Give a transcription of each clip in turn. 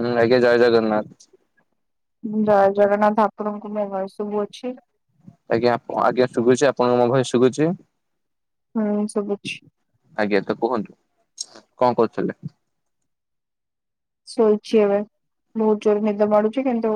ହୁଁ ଆଜ୍ଞା ଜୟ ଜଗନ୍ନାଥ। ଜୟ ଜଗନ୍ନାଥ ଆପଣଙ୍କୁ ମୋ ଭଏସ୍ ଶୁବୁଅଛି? ଆଜ୍ଞା ଆଜ୍ଞା ଶୁଗୁଛି। ଆପଣଙ୍କୁ ମୋ ଭଏସ୍ ଶୁଗୁଛି? ହୁଁ ଶୁବୁଛି। ଆଜ୍ଞା ତ କୁହନ୍ତୁ କଁ କରୁଥିଲେ? ଶୋଇଛି ଏବେ ବହୁତ ଜୋର ନିଦ ମାଢୁଛି କିନ୍ତୁ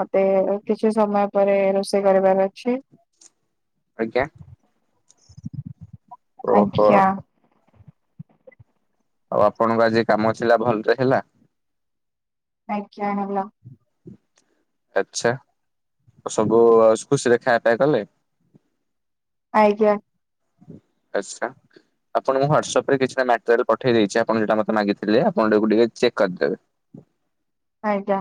ମତେ କିଛି ସମୟ ପରେ ରୋଷେଇ କରିବାର ଅଛି। ଆଜ୍ଞା। ଓହୋ ଆଜ୍ଞା। ଆଉ ଆପଣଙ୍କ ଆଜି କାମ ଥିଲା ଭଲରେ ହେଲା? ଆଜ୍ଞା ହେଲା। ଆଚ୍ଛା ଆଉ ସବୁ ଆଉ ଖୁସିରେ ଖାଇଆ ପିଇବା କଲେ? ଆଜ୍ଞା। ଆଚ୍ଛା। ଆପଣଙ୍କୁ ହ୍ୱାଟସପ ରେ କିଛିଟା ମାଟେରିଲ୍ ପଠେଇ ଦେଇଚି ଆପଣ ଯାଉଟା ମତେ ମାଗିଥିଲେ। ଆପଣ ତାକୁ ଟିକେ ଚେକ୍ କରିଦେବେ। ଆଜ୍ଞା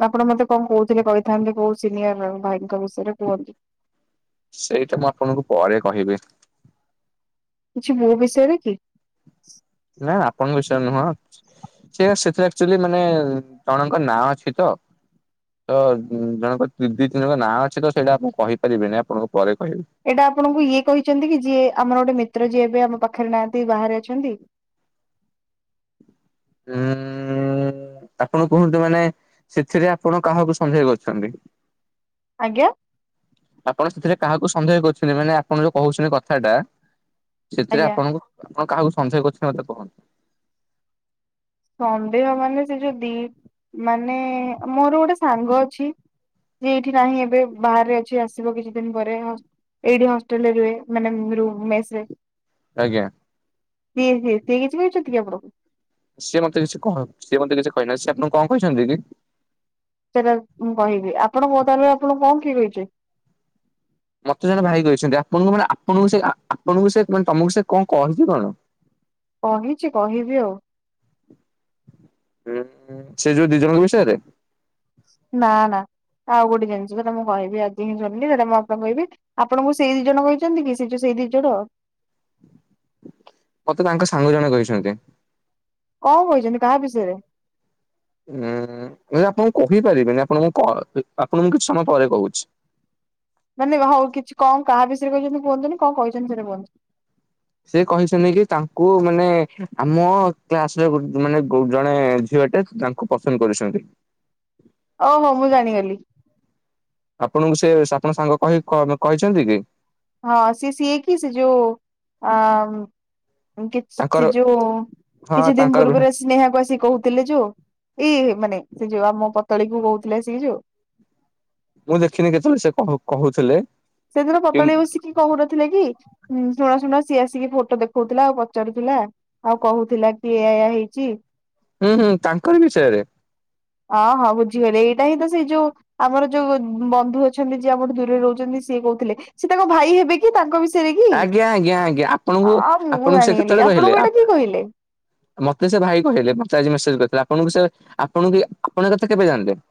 ତ ଆପଣ ମତେ କଁ କହୁଥିଲେ କହିଥାନ୍ତେ କୋଉ ସିନିୟର ଭାଇଙ୍କ ବିଷୟରେ କୁହନ୍ତୁ। ସେଇଟା ମୁଁ ଆପଣଙ୍କୁ ପରେ କହିବି। କିଛି ମୋ ବିଷୟରେ କି? ନା ଆପଣଙ୍କ ବିଷୟରେ ନୁହଁ। ସେ ସେଥିରେ ଆକ୍ଚୁଏଲି ମାନେ ଜଣଙ୍କ ନାଁ ଅଛି ତ। ତ ଜଣଙ୍କ ଦି ତିନି ଜଣଙ୍କ ନାଁ ଅଛି ତ ସେଇଟା ମୁଁ କହିପାରିବିନି ଆପଣଙ୍କୁ ପରେ କହିବି। ଏଇଟା ଆପଣଙ୍କୁ ଇଏ କହିଚନ୍ତି କି ଯିଏ ଆମର ଗୋଟେ ମିତ୍ର ଯିଏ ଏବେ ଆମ ପାଖେରେ ନାହାଁନ୍ତି ବାହାରେ ଅଛନ୍ତି? ଉଁ ଆପଣ କୁହନ୍ତୁ ମାନେ ସେଥିରେ ଆପଣ କାହାକୁ ସନ୍ଧେହ କରୁଛନ୍ତି? ଆଜ୍ଞା? ଆପଣ ସେଥିରେ କାହାକୁ ସନ୍ଦେହ କରୁଚନ୍ତି ମାନେ ଆପଣ ଯୋଉ କହୁଛନ୍ତି କଥା ଟା ସେଥିରେ ଆଜ୍ଞା ଆପଣଙ୍କୁ ଆପଣ କାହାକୁ ସନ୍ଦେହ କରୁଚନ୍ତି ମତେ କହନ୍ତୁ। ସନ୍ଦେହ ମାନେ ସେ ଯୋଉ ଦି ମାନେ ମୋର ଗୋଟେ ସାଙ୍ଗ ଅଛି। ଯିଏ ଏଠି ନାହିଁ ଏବେ ବାହାରେ ଅଛି ଆସିବ କିଛି ଦିନ ପରେ। ହସ୍ ଏଇଠି ହଷ୍ଟେଲରେ ରୁହେ ମାନେ ରୁ ମେସ ରେ। ଆଜ୍ଞା। ସିଏ ହି ସିଏ କିଛି କହିଚନ୍ତି କି ଆପଣଙ୍କୁ? ସିଏ ମତେ କିଛି କହ ସିଏ ମତେ କିଛି କହିନାହାଁନ୍ତି। ସିଏ ଆପଣଙ୍କୁ କଣ କହିଚନ୍ତି କି? ସେଇଟା ମୁଁ କହିବି ଆପଣଙ୍କ କୁହନ୍ତୁ ଆପଣଙ୍କୁ କଣ କିଏ କହିଚି? ମତେ ଜଣେ ଭାଇ କହିଛନ୍ତି। ଆପଣଙ୍କୁ ମାନେ ଆପଣଙ୍କୁ ସେ ଆପଣଙ୍କୁ ସେ ମାନେ ତମକୁ ସେ କଣ କହିଛି କଣ? କହିଛି କହିବି ଆଉ। ଉଁ ହୁଁ ସେ ଯୋଉ ଦି ଜଣଙ୍କ ବିଷୟରେ? ନା ନା ଆଉ ଗୋଟେ ଜିନିଷ ସେଟା ମୁଁ କହିବି। ଆଜି ହିଁ ଜାଣିଲି ସେଟା ମୁଁ ଆପଣ କହିବି। ଆପଣଙ୍କୁ ସେଇ ଦି ଜଣ କହିଛନ୍ତି କି ସେ ଯୋ ଉ ସେଇ ଦି ଜଣ? ମତେ ତାଙ୍କ ସାଙ୍ଗ ଜଣେ କହିଛନ୍ତି। କଣ କହିଛନ୍ତି କାହା ବିଷୟରେ? ହୁଁ ମୁଁ ଆପଣଙ୍କୁ କହିପାରିବିନି ଆପଣଙ୍କୁ କ ଆପଣଙ୍କୁ କିଛି ସମୟ ପରେ କହୁଚି। ମାନେ ଯାହା ହଉ କିଛି କଣ କାହା ବିଷୟରେ କହିଛନ୍ତି କୁହନ୍ତୁନି କଣ କହିଛନ୍ତି କୁହନ୍ତୁ? ସେ କହିଛନ୍ତି କି ତାଙ୍କୁ ମାନେ ଆମ କ୍ଲାସରେ ଗୋ ମାନେ ଜଣେ ଝିଅଟେ ତାଙ୍କ କୁ ପସନ୍ଦ କରୁଛନ୍ତି। ଓହୋ ମୁଁ ଜାଣିଗଲି। ଆପଣଙ୍କୁ ସେ ଆପଣ ସାଙ୍ଗ କହି କ କହିଛନ୍ତି କି? ହଁ ସିଏ ସିଏକି ସେ ଯଉ ଆ କି ତାଙ୍କର ସେ ଯୋଉ ହଁ କିଛି ଦିନ ତାଙ୍କର ପୂର୍ବରୁ ଆସ ସ୍ନେହାକୁ ଆସିିକି କହୁ ଥିଲେ ଯୋଉ ଏଇ ମାନେ ସେ ଯୋଉ ଆମ ପତଳୀ କୁ କହୁଥିଲେ ଆସିକି ଯୋଉ। ମୁଁ ଦେଖିନି କେତେବେଳେ ସେ କଣ କହୁଥିଲେ। ସେଦିନ ପତଳି ହୁଁ ବସିକି କହୁନଥିଲା କି ଶୁଣ ଶୁଣ ସିଏ ଆସିକି ଫୋଟୋ ଦେଖଉଥିଲା ଆଉ ପଚାରୁଥିଲା। ଆଉ କହୁଥିଲା କି ଏୟା ଏୟା ହେଇଚି। ହୁଁ ହୁଁ ତାଙ୍କରି ବିଷୟରେ। ଆ ହା ବୁଝିଗଲି ଏଇଟା ହିଁ ତ ସେଇ ଯୋଉ ଆମର ଯୋଉ ବନ୍ଧୁ ଅଛନ୍ତି ଯିଏ ଆମଠୁ ଦୂରରେ ରହୁଛନ୍ତି ସିଏ କହୁଥିଲେ, ସେ ତାଙ୍କ ଭାଇ ହେବେ କି ତାଙ୍କ ବିଷୟରେ କି, ଆଜ୍ଞା ଆଜ୍ଞା ଆଜ୍ଞା ଆପଣଙ୍କୁ ଆଉ ମୁଁ ଆପଣଙ୍କୁ ସେ ଜାଣଗଲିି କେତେବେଳେ କହିଲେ? ଆପଣଙ୍କୁ ଏଇଟା କି କହିଲେ? ମତେ ସେ ଭାଇ କହିଲେ ମତେ ଆଜି ମେସେଜ କରିଥିଲେ, ଆପଣଙ୍କୁ ସେ ଆପଣଙ୍କୁ ଆପଣ ଏ କଥା [unintelligible] ଜାଣିଲେ?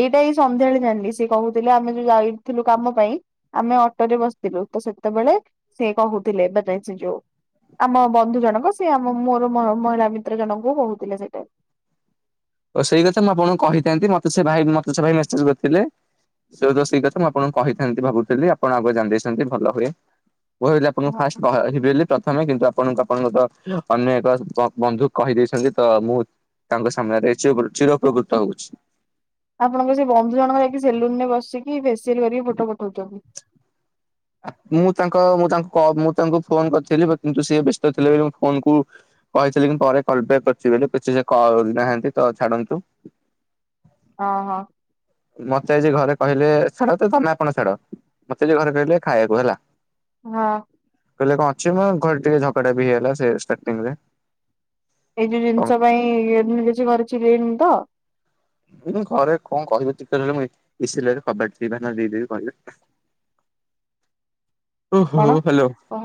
ଏଇଟା ଏଇ ସନ୍ଧ୍ୟାଳେ ଜାଣିଲି ସି କହୁଥିଲେ ଆମେ ଯୋଉ ଯାଇଥିଲୁ କାମ ପାଇଁ। ଆମେ ଅଟୋ ରେ ବସିଥିଲୁ ତ ସେତେବେଳେ ସେ କହୁଥିଲେ ସେ [unintelligible] ଆମ ବନ୍ଧୁ ଜଣକ ସେ ଆମ ମୋର ମ ମହିଳା ମିତ୍ର ଜଣଙ୍କୁ କହୁଥିଲେ ସେଟା। ଓ ସେଇ କଥା ମୁଁ ଆପଣଙ୍କୁ କହିଥାନ୍ତି ମତେ ସେ ଭାଇ ମତେ ସେ ଭାଇ ମେସେଜ କରିଥିଲେ। ସେ ତ ସେଇ କଥା ମୁଁ ଆପଣଙ୍କୁ କହିଥାନ୍ତି ଭାବୁଥିଲି ଆପଣ ଆଗ ଜାଣିଦେଇଛନ୍ତି ଭଲ ହୁଏ। ମୁଁ ଭାବିଲି ଆପଣଙ୍କୁ ଫାଷ୍ଟ ବାହା ହେବେଲି। ପ୍ରଥମେ କିନ୍ତୁ ଆପଣଙ୍କୁ ଆପଣଙ୍କ ତ ଅନ୍ୟ ଏକ ବନ୍ଧୁ କହିଦେଇଛନ୍ତି ତ ମୁଁ ତାଙ୍କ ସାମ୍ନାରେ ଚି ଚିର ପ୍ରକୃତ ହଉଛି। ଆପଣଙ୍କ ସେ ବନ୍ଧୁ ଜଣଙ୍କ ଯାଇକି ସେଲୁନ ରେ ବସିକି ଫେସିଆଲ କରିକି ଫୋଟ ପଠଉଛନ୍ତି। ମୁଁ ତାଙ୍କ ମୁଁ ତାଙ୍କୁ କ ମୁଁ ତାଙ୍କୁ ଫୋନ କରିଥିଲି କିନ୍ତୁ ସିଏ ବ୍ୟସ୍ତ ଥିଲେ ବୋଲି ମୋ ଫୋନ କୁ କହିଥିଲେ କି ପରେ କଲ ବ୍ୟାକ୍ କରୁଛି ବୋଲି କିଛି ସେ କରିନାହାନ୍ତି ତ ଛାଡ଼ନ୍ତୁ। ହଁ ହଁ। ମତେ ଆଜି ଘରେ କହିଲେ ଛାଡ ତ ତମେ ଆପଣ ଛାଡ ମତେ ଆଜି ଘରେ କହିଲେ ଖାଇବାକୁ ହେଲା। ହଁ। କହିଲେ କଣ ଅଛି ମୁ ଘରେ ଟିକେ ଝଗଡା ବି ହେଇଗଲା ଷ୍ଟାର୍ଟଟିଙ୍ଗ ରେ। ଏଇ ଯୋଉ ଜିନିଷ ପାଇଁ ଏମତି କିଛି [unintelligible] ଘରେ କଣ କହିବ [unintelligible] ମିଶିଲେଣୀ ଦେଇଦବି କହିବେ। ଓହୋ କଣ ହଲୋ କହ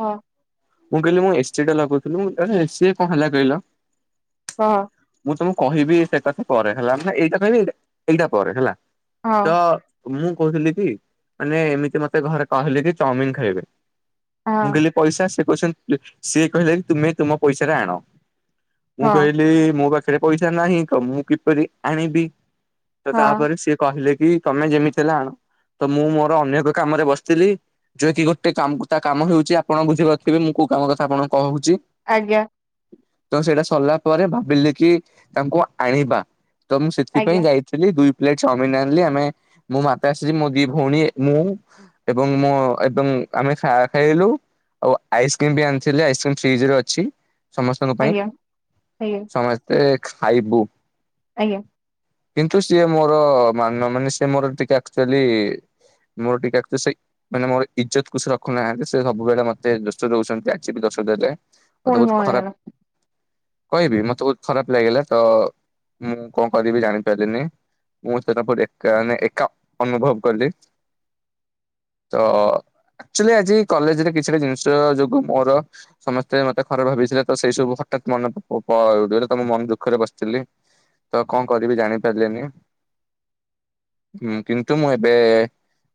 ମୁଁ କହିଲି ମୁଁ ଏ ଟା ଲଗାଉଥିଲି ଏସି କଣଲା କହିଲ? ହଁ। ମୁଁ ତମକୁ କହିବି ସେ କ ସେ ପରେ ହେଲା ମାନ ଏଇଟା କହିବି ଏଇଟା ପରେ। ହଁ ତ ମୁଁ କହୁଥିଲି କି ମାନେ ଏମିତି ମତେ ଘରେ କହିଲି କି ଚାଉମିନ ଖ ଖାଇବେ ହଁ ମୁଁ କହିଲି ପଇସା ସେ କହୁଛନ୍ତି ସିଏ କହିଲେ କି ତୁମେ ତୁମ ପଇସାରେ ଆଣ। ମୁଁ ହଁ କହିଲି ମୋ ପାଖରେ ପଇସା ନାହିଁ ତ ମୁଁ କିପରି ଆଣିବି? ତ ହଁ ତାପରେ ସେ କହିଲେ କି ତମେ ଯେମିତି ହେଲା ତ ମୁଁ ମୋର ଅନେ ଏକ କାମରେ ବସିଥିଲି। ଯୋଏ କି ଗୋଟେ କାମ ତା କାମ ହଉଛି ଆପଣ ବୁଝି [unintelligible] ମୁଁ କୋଉ କାମ କଥା ଆପଣ କହୁଛି। ଆଜ୍ଞା। ତ ସେଇଟା ସରିଲା ପରେ ଭାବିଲି କି ତାଙ୍କୁ ଆଣିବା ତ ମୁଁ ଆଜ୍ଞା ସେଥିପାଇଁ ଯାଇ ଆ ଦୁଇ ପ୍ଲେଟ ଚାଉମିନ ଆଣିଲି ଆମେ ମୋ ମାତାଶ୍ରୀ ମୋ ଦି ଭଉଣୀ ମୁଁ ଏବଂ ମୋ ଏବଂ ଆମେ ଖ ଖାଇଲୁ ଆଉ ଆଇସ୍କ୍ରିମ ବି ଆଣିଥିଲି ଆଇସ୍କ୍ରିମ ଫ୍ରିଜରେ ରଖିଚି। ସମସ୍ତଙ୍କ ପାଇଁ ଆଜ୍ଞା ଆଜ୍ଞା ସମସ୍ତେ ଖାଇବୁ। ଆଜ୍ଞା। କିନ୍ତୁ ସିଏ ମୋର ମାନ ମାନେ ସିଏ ମୋର ଟିକେ ଆକ୍ଚୁଆଲି ମୋର ଟିକେ ଆକଚୁ ସେଇ ମାନେ ମୋର ଇଜତ କୁ ସେ ରଖୁନାହାନ୍ତି ସେ ସବୁବେଳେ ମତେ ଦୋଷ ଦଉଛନ୍ତି ଆଜି ବି ଦୋଷ ଦେଲେ। ମତେ ପୁଣି ବହୁତ କଣ ହେଇଗଲା ଖରାପ କହିବି ମତେ ବହୁତ ଖରାପ ଲାଗିଲା ତ ମୁଁ କଣ କରିବି ଜାଣିପାରିଲିନି। ମୁଁ [unintelligible] ଏକା ମାନେ ଏକା ଅନୁଭବ କଲି। ତ ଆଚୁଲି ଆଜି କଲେଜରେ କିଛିଟା ଜିନିଷ ଯୋଗୁ ମୋର ସମସ୍ତେ ମତେ ଖରାପ ଭାବିଥିଲେ ତ ସେଇ ସବୁ ହଠାତ୍ ମନେ ପ ପ ପଳ ଯୋଉଟା ତ ମୁଁ ମନ ଦୁଃଖରେ ବସିଥିଲି। ତ କଣ କରିବି ଜାଣି ପାରିଲିନି। ହୁଁ କିନ୍ତୁ ମୁଁ ଏବେ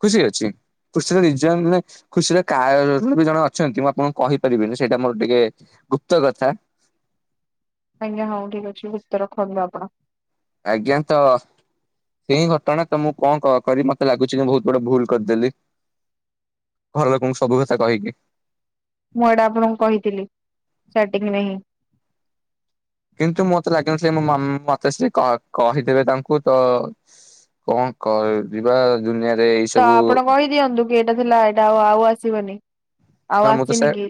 ଖୁସି ଅଛି। ଖୁସି ର ରି ଜିନ ମାନେ ଖୁସିର କାର ବି ଜଣେ ଅଛନ୍ତି ମୁଁ ଆପଣଙ୍କୁ କହିପାରିବିନି ସେଇଟା ମୋର ଟିକେ ଗୁପ୍ତ କଥା। ଆଜ୍ଞା ହଉ ଠିକ ଅଛି ଗୁପ୍ତ ରଖନ୍ତୁ ଆପଣ। ଆଜ୍ଞା ତ କେଇ ଘଟଣା ତ ମୁଁ କଣ କ କରିବି ମତେ ଲାଗୁଚି ମୁଁ ବହୁତ ବଡ ଭୁଲ କରିଦେଲି। ଘର ଲୋକଙ୍କୁ ସବୁ କଥା କହିକି। ମୁଁ ଏଇଟା ଆପଣଙ୍କୁ କହିଥିଲି ଷ୍ଟାର୍ଟିରେ ହିଁ। କିନ୍ତୁ ମତେ ଲାଗିନଥିଲା ମୋ ମାମା ମତେ ସେ କ କହିଦେବେ ତାଙ୍କୁ ତ କଣ କରିବା ଦୁନିଆରେ ଏଇ ସବୁ ଦିଅନ୍ତୁ କି ଏଇଟା ଥିଲା ଏଇଟା ଆଉ ଆଉ ଆସିବନି। ଆଉ ହଁ ମୁଁ ତ ଆସିନି ସେ କି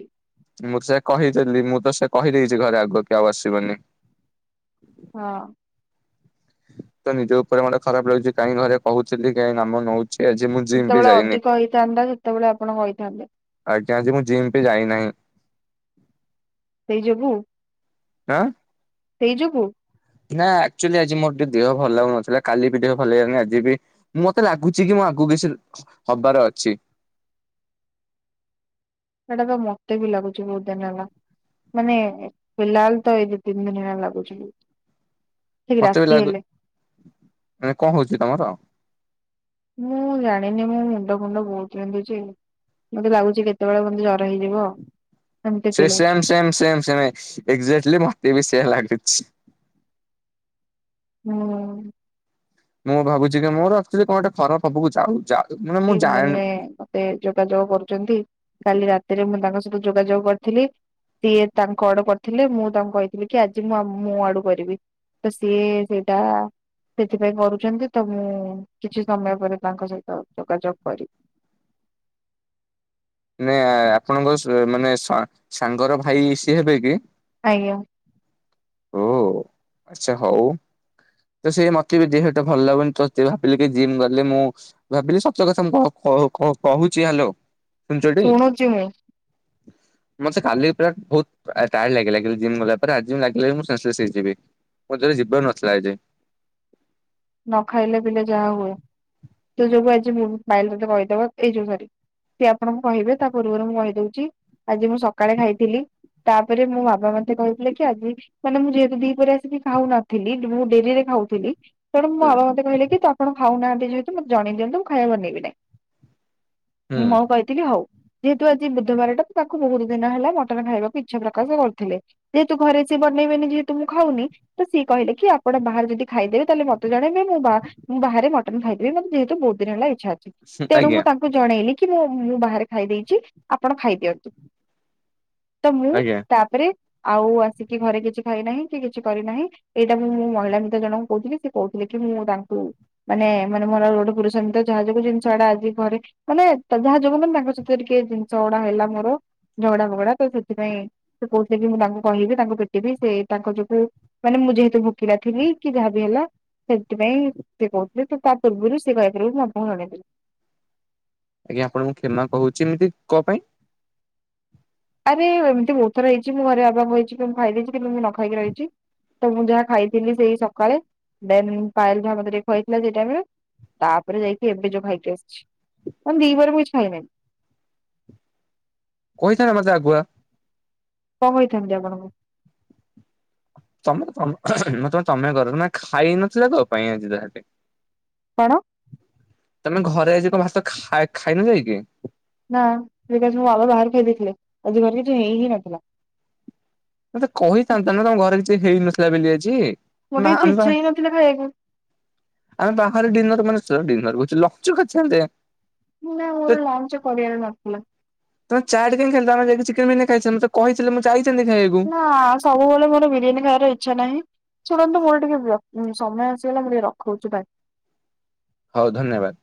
ମୁଁ ତ ସେଆ କହିଦେଲି ମୁଁ ତ ସେ କହିଦେଇଚି ଘରେ ଆଗ କି ଆଉ ଆସିବନି। ହଁ। ତ ନିଜ ଉପରେ ମତେ ଖରାପ ଲାଗୁଛି କାଇହିଁ ଘରେ କହୁଥିଲି କାହିଁ ନାମ ନଉ ଯେତେବେଳେ ଅଧିକ ହେଇଥାନ୍ତା ସେତେବେଳେ ଆପଣ କହିଥାନ୍ତେ। ଆଜ୍ଞା ଆଜି ମୁଁ ଜିମ୍ ପି ଯାଇନାହିଁ। [unintelligible] ଆଁ? ସେଇ ଯୋଗୁ? ନା ଆକ୍ଚୁଆଲି ଆଜି ମୋର ଟିକେ ଦେହ ଭଲ ଲାଗୁନଥିଲା କାଲି ବି ଦେହ ଭଲ ଲାଗିଲାନି ଆଜି ବି। ମତେ ଲାଗୁଛି କି ମୁଁ ଆଗକୁ କିଛି ହବାର ଅଛି। ସେଇଟା ତ ମତେ ବି ଲାଗୁଛି ବହୁତ ଦିନ ହେଲା। ମାନେ ଫିଲାଲ ତ ଏଇ ତିନି ଦିନ ହେଲା ଲାଗୁଚି। ମତେ ବି ଲାଗୁ ମାନେ କଣ ହଉଚି କି ତମର? ମୁଁ ଜାଣିନି ମୋ ମୁଣ୍ଡ ଫୁଣ୍ଡ ବହୁତ ବିନ୍ଧୁଚି। ମତେ ଲାଗୁଚି କେତେବେଳେ ମୋତେ ଜର ହେଇଯିବ। ଏମିତି ସେ ଫିଲ୍ ହଉଛି same same same same exactly ମତେ ବି ସେଆ ଲାଗୁଚି। ହୁଁ। ମୁଁ ଭାବୁଛି କି ମୋର ଆକଚୁଲି କଣ ଗୋଟେ ଖରପ ହବାକୁ ଯାଉ ଯାଉ ମାନେ ମୁଁ ଯାଏନି ଯୋଗାଯୋଗ କରୁଚନ୍ତି କାଲି ରାତିରେ ମୁଁ ତାଙ୍କ ସହିତ ଯୋଗାଯୋଗ କରିଥିଲି ସିଏ ତାଙ୍କ ଅଡୁ କରିଥିଲେ ମୁଁ ତାଙ୍କୁ କହିଥିଲି କି ଆଜି ମୁଁ ମୋ ଆଡୁ କରିବି। ତ ସିଏ ସେଇଟା ସେଥିପାଇଁ କରୁଚନ୍ତି ତ ମୁଁ କିଛି ସମୟ ପରେ ତାଙ୍କ ସହିତ ଯୋଗାଯୋଗ କରିବି। ନା ଆପଣଙ୍କ ମାନେ ସାଙ୍ଗର ଭାଇ ସିଏ ହେବେ କି? ଆଜ୍ଞା। ଓ ଆଛା ହଉ। ତ ସେ ମତେ ବି ଦିହଟା ଭଲ ଲାଗୁନି ତ ହେତ ଭାବିଲି କି ଜିମ୍ ଗଲେ ମୁଁ ଭାବିଲି ସତ କଥା ମୁଁ କ କହ କ କହୁଚି ହ୍ୟାଲୋ ଶୁଣୁଚ ଟି? ଶୁଣୁଛି ମୁଁ ମତେ କାଲି ପୁରା ବହୁତ ଟାୟାଡ ଲାଗିଲା ଜିମ୍ ଗଲା ପରେ ଆଜି ମୁ ଲା ଗିଲା କି ମୁଁ ସେନ୍ସଲେସ ହେଇଯିବି ମୋ ଦେହରେ ଜୀବନ ନଥିଲା ଏଠି। ନ ଖାଇଲେ ପିଲଲେ ଯାହା ହୁଏ। ତୋ ଯୋଗୁ ଆଜି ବ ପାଏଲ ତତେ କହିଦବ ଏଇ ଯୋଉ ସରି ସିଏ ଆପଣଙ୍କୁ କହିବେ ତା ପୂର୍ବରୁ ମୁଁ କହିଦଉଛି ଆଜି ମୁଁ ସକାଳେ ଖାଇଥିଲି ତାପରେ ମୋ ବାବା ମତେ କହିଥିଲେ କି ଆଜି ମାନେ ମୁଁ ଯେହେତୁ ଦିପହରେ ଆସିକି ଖାଉନଥିଲି ମୁଁ ଡେରିରେ ଖାଉଥିଲି ତେଣୁ ମୋ ହୁଁ ବାବା ମତେ କହିଲେ କି ତୁ ଆପଣ ଖାଉନାହାନ୍ତି ଯେହେତୁ ମତେ ଜଣେଇ ଦିଅନ୍ତୁ ମୁଁ ଖାଇବାକୁ ବନେଇବି ନାହିଁ। ହୁଁ ମୁଁ ହଉ କହିଲି। ଥିଲ ହଉ ଯେହେତୁ ଆଜି ବୁଧବାରଟା ତାକୁ ବହୁତ ଦିନ ହେଲା ମଟନ ଖାଇବାକୁ ଇଚ୍ଛା ପ୍ରକାଶ କରିଥିଲେ। ଯେହେତୁ ଘରେ ସିଏ ବନେଇବେନି ଯେହେତୁ ମୁଁ ଖାଉନି ତ ସିଏ କହିଲେ କି ଆପଣ ବାହାରେ ଯଦି ଖାଇଦେବେ ତାହେଲେ ମତେ ଜଣେଇଦେବେ ମୁଁ ବାହାରେ ମଟନ ଖାଇଦେବି ମତେ ଯେହେତୁ ବହୁତ ଦିନ ହେଲା ଇଛା ଅଛି ତେଣୁ ମୁ ଆଜ୍ଞା ତାଙ୍କ ଜଣେଇଲି କି ମୁଁ ମୁଁ ବାହାରେ ଖାଇ ଦେଇଛି ଆପଣ ଖାଇଦିଅନ୍ତୁ। ତ ମୁଁ ଆଜ୍ଞା। ତାପରେ ଆଉ ଆସିକି ଘରେ କିଛି ଖାଇନାହିଁ କି କିଛି କରିନାହିଁ ଏଇଟା ମୁଁ ମୁଁ ମହିଳା ମିତ ଜଣଙ୍କୁ କହୁଥିଲି ସେ କହୁଥିଲେ କି ମୁଁ ତାଙ୍କୁ ମାନେ ମାନେ ମୋର ଗୋଟେ ପୁରୁଷିତ ଯାହା ଯୋଉ ଜିନିଷ ଗଡା ଆଜି ଘରେ ମାନେ ଯାହା ଯୋଗୁ ମାନେ ତାଙ୍କ ସହିତ ଟିକେ ଜିନିଷ ଗୁଡା ହେଲା ମୋର ଝଗଡା ଫଗଡା ତ ସେଥିପାଇଁ ସେ କୋହୁଥିଲେକି ମୁଁ ତାଙ୍କୁ କହିବି ତାଙ୍କୁ ଭେଟିବି ସେ ତାଙ୍କ ଯୋଠୁ ମାନେ ମୁଁ ଯେହେତୁ ଭୋକିଲା ଥିଲି କି ଯାହାବି ହେଲା ସେଥିପାଇଁ ସେ କହୁଥିଲେ ତ ତା ପୂର୍ବରୁ ସେ କହିପାରକୁ ମୁଁ ଆପଣଙ୍କୁ ଜଣେଇଥିଲି। ଆଜ୍ଞା ଆପଣଙ୍କୁ କ୍ଷମା କହୁଛି ଏମିତି କଣ ପାଇଁ? ଆରେ ଏମିତି ବହୁତଥର ରହିଛି ମୁଁ ଘରେ ଆବା ହେଇଛି କି ମୁଁ ଖାଇ ଦେଇଛି କିନ୍ତୁ ମୁଁ ନ ଖାଇକି ରହିଛି। ତ ମୁଁ ଯାହା ଖାଇଥିଲି ସେଇ ସକାଳେ ଦେନ ପାୟଲ ଯାହା ମତେ ଟିକେ ଖୁଇଥିଲା ସେଇ ଟାଇମରେ ତାପରେ ଯାଇକି ଏବେ ଯୋଉ ଖାଇକି ଆସିଛି କ ଦି ପହରେ ମୁଁ କିଛି ଖାଇନାହି। କହିଥାନ୍ତ ମତେ ଆଗୁଆ। କଣ କହିଥାନ୍ତି ଆପଣଙ୍କୁ? ତମକୁ ତ ତମେ ତମେ କରିଦେଲ ନା କଣ ଖାଇ ନଥିଲା କୋ ପାଇଁ ଏତେବେଳେ ଯାକେ। କଣ? ତମେ ଘରେ ଆଜି କଣ ଭାତ ଖ ଖାଇନ ଯାଇକି? ନା ବିକଜ୍ ମୋ ବାବା ବାହାରେ ଖାଇଦେଇଥିଲେ ଆଜି ଘରେ କିଛି ହେଇ ହି ନଥିଲା। ମତେ କହିଥାନ୍ତା ନା ତମ ଘରେ କିଛି ହେଇନଥିଲା ବୋଲି ଆଜି? ମା ମୋତେ କିଛି ଆମେ ବା ଇଛା ହିଁ ନଥିଲା ଖାଇବାକୁ? ଆମେ ବାହାରେ ଡିନର ମାନେ ଡିନର [inaudible] ନା ମୋର ଲାଞ୍ଚ କରିଆରେ ନଥିଲା। ତମେ ଚାଟ କାଇଁ ଖାଇ ତମ ଯାଇି ଚିକେନ ବିରୀୟାନି ଖାଇଥାନ୍ତ ମତେ କହିଥିଲେ ମୁଁ ଯାଇଥାନ୍ତେ ଖାଇବାକୁ। ନା ସବୁବେଳେ ମୋର ବିରିୟାନୀ ଖାଇବାର ଇଚ୍ଛା ନାହିଁ। ଶୁଣନ୍ତୁ ମୋର ଟିକେ ସମୟ ଆସିଗଲା ମୁଁ ଟିକେ ରଖଉଛି ବାଏ। ହଉ ଧନ୍ୟବାଦ।